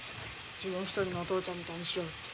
自分一人のお父ちゃんみたいにしよって。